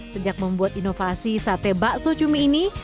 sejak membuat inovasi sate bakso cumi ini